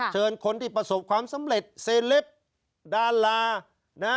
เชิญคนที่ประสบความสำเร็จเซเลปดารานะ